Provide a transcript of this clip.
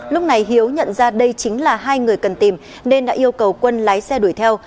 lúc này hiếu nhận ra đây chính là hai người cần tìm nên đã yêu cầu quân lái xe đuổi theo